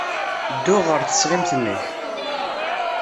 Ddu ɣer tesɣimt-nnek.